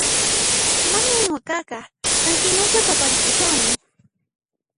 Manan nuqaqa qan hinachu qapariykushani